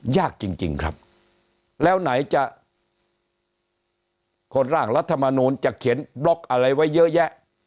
ยากจริงครับแล้วไหนจะคนร่างรัฐมนูลจะเขียนบล็อกอะไรไว้เยอะแยะ